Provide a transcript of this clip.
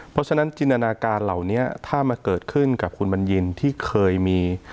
เพราะฉะนั้นจินตนาการเหล่านี้ถ้ามาเกิดขึ้นกับคุณบัญญินที่เคยมี